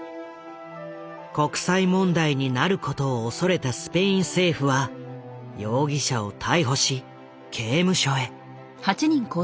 国際問題になることを恐れたスペイン政府は容疑者を逮捕し刑務所へ。